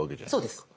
そうです。